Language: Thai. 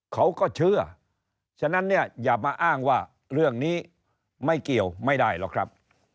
เขาก็เชื่อฉะนั้นเนี่ยอย่ามาอ้างว่าเรื่องนี้ไม่เกี่ยวไม่ได้หรอกครับ